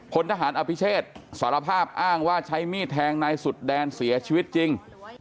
พลทหารอภิเชษสารภาพอ้างว่าใช้มีดแทงนายสุดแดนเสียชีวิตจริง